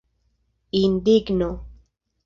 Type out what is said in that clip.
Indigno.